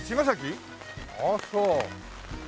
ああそう。